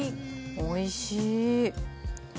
おいしい。